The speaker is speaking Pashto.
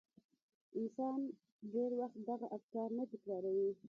انسان ډېر وخت دغه افکار نه تکراروي.